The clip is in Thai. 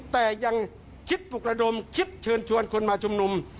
แต่ยังคิดปลุกระดมคิดเชิญชวนคนมาชุมนุม